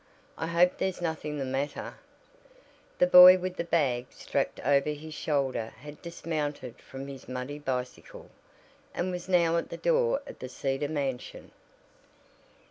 "I hope there's nothing the matter " The boy with the bag strapped over his shoulder had dismounted from his muddy bicycle, and was now at the door of the Cedar mansion.